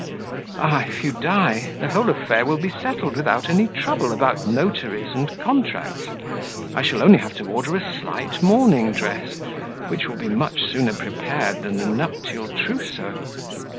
"Ah! if you die, the whole affair will be settled without any trouble about notaries and contracts; I shall only have to order a slight mourning dress, which will be much sooner prepared than the nuptial trousseau."